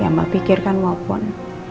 ya mbak pikir kan walaupun